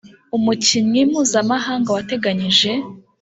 umukinnyi mpuzamahanga wateganyije